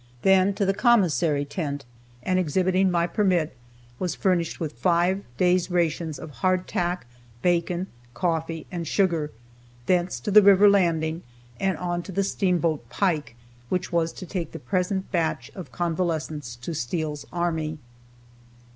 Then to the commissary tent, and exhibiting my permit, was furnished with five days' rations of hardtack, bacon, coffee, and sugar. Thence to the river landing, and on to the steamboat "Pike," which was to take the present batch of convalescents to Steele's army.